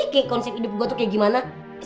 kek konsep hidup gue tuh kayak gimana